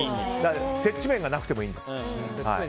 接地面がなくてもいいんです。